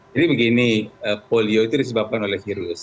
jadi begini polio itu disebabkan oleh virus